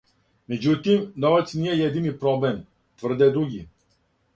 Међутим, новац није једини проблем, тврде други.